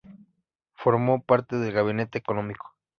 Formó parte del Gabinete Económico.